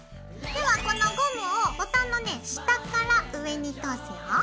ではこのゴムをボタンのね下から上に通すよ。